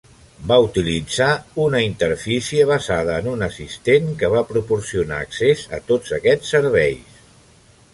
Va utilitzar una interfície basada en un Asistente que va proporcionar accés a tots aquests serveis.